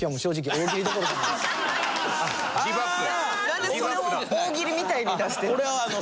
なんでそれを大喜利みたいに出してんの？